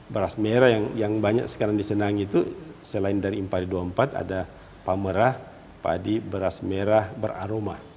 beras merah yang banyak sekarang disenangi itu selain dari impari dua puluh empat ada pamerah padi beras merah beraroma